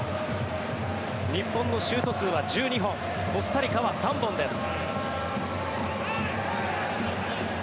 日本のシュート数は１２本コスタリカは３本です。